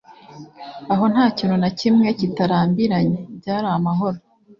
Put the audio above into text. aho nta kintu na kimwe kitarambiranye - byari amahoro